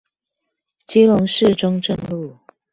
基隆市中正路